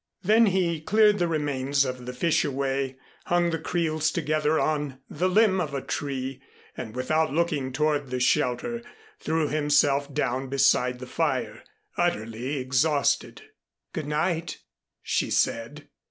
Then he cleared the remains of the fish away, hung the creels together on the limb of a tree and, without looking toward the shelter, threw himself down beside the fire, utterly exhausted. "Good night," she said.